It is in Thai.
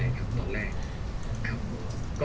ส่วนยังแบร์ดแซมแบร์ด